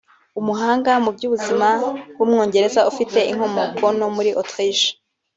umuhanga mu by’ubuzima w’umwongereza ufite inkomoko no muri Autriche